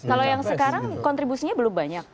kalau yang sekarang kontribusinya belum banyak